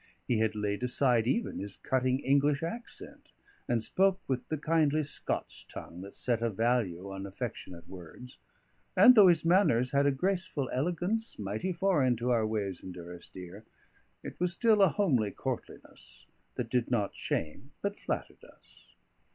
He had laid aside even his cutting English accent, and spoke with the kindly Scots tongue, that set a value on affectionate words; and though his manners had a graceful elegance mighty foreign to our ways in Durrisdeer, it was still a homely courtliness, that did not shame but flattered us.